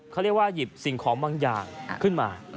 เขาเรียกว่าหยิบสิ่งของบางอย่างขึ้นมา